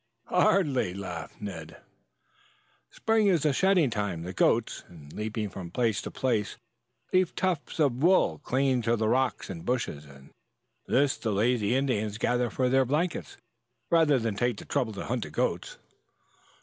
"Hardly," laughed Ned. "Spring is the shedding time. The goats, in leaping from place to place, leave tufts of wool clinging to rocks and bushes, and this the lazy Indians gather for their blankets, rather than take the trouble to hunt the goats."